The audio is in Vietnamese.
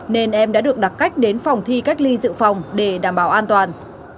nên em đã được đặt cách đến phòng thi cách ly dự phòng để đảm bảo an toàn